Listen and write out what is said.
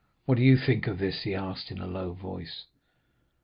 "'What do you think of this?' he asked in a low voice.